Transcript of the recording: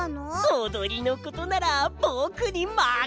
おどりのことならぼくにまかせてよ！